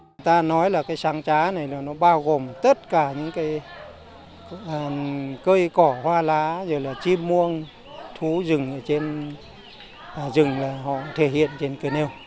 người ta nói là cái sáng trá này nó bao gồm tất cả những cây cỏ hoa lá chim muông thú rừng ở trên rừng là họ thể hiện trên cây nêu